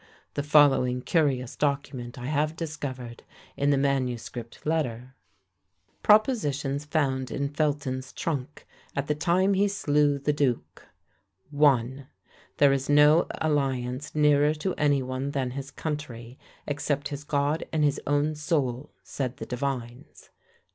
The following curious document I have discovered in the MS. letter. Propositions found in Felton's trunk, at the time he slew the duke. "1. There is no alliance nearer to any one than his country. "Except his God and his own soul, said the divines.